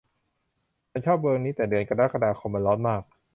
ฉันชอบเมืองนี้แต่เดือนกรกฎาคมมันร้อนมาก